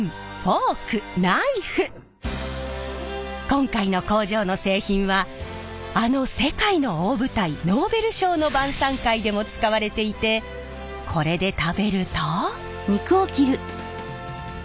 今回の工場の製品はあの世界の大舞台ノーベル賞の晩さん会でも使われていてこれで食べると。